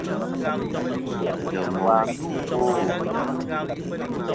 Wà ndû wo?